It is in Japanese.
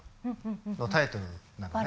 のタイトルなのね。